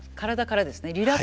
リラックスはい。